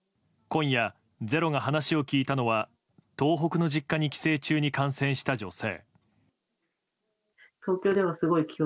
今夜、「ｚｅｒｏ」が話を聞いたのは東北の実家に帰省中に感染した女性。